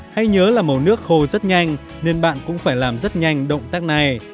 hãy nhớ là màu nước khô rất nhanh nên bạn cũng phải làm rất nhanh động tác này